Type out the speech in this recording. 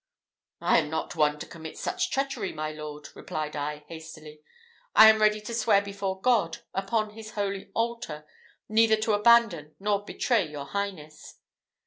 "I am not one to commit such treachery, my lord," replied I, hastily. "I am ready to swear before God, upon his holy altar, neither to abandon nor betray your Highness.